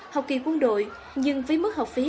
học kỳ quân đội nhưng với mức học phí